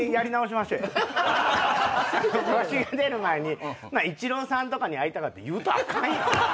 わしが出る前にイチローさんとかに会いたかった言うたらあかんよ。